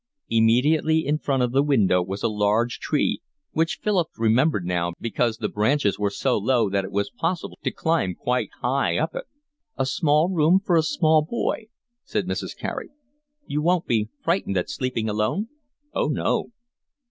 Immediately in front of the window was a large tree, which Philip remembered now because the branches were so low that it was possible to climb quite high up it. "A small room for a small boy," said Mrs. Carey. "You won't be frightened at sleeping alone?" "Oh, no."